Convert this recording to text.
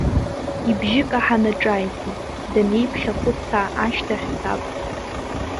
Ибжьы каҳаны ҿааиҭит, данеиԥхьхәыцаа ашьҭахь, саб.